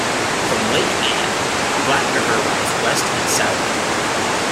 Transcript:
From Lake Ann, the Platte River runs west and south.